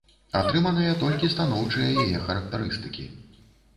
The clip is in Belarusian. Атрыманыя толькі станоўчыя яе характарыстыкі.